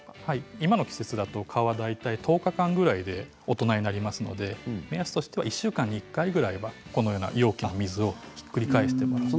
今の季節ですと蚊は大体１０日間くらいで大人になりますので目安は１週間に１回ぐらい容器の水をひっくり返して。